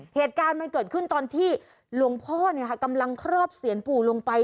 เหตุการณ์มันเกิดขึ้นตอนที่หลวงพ่อกำลังครอบเสียนปู่ลงไป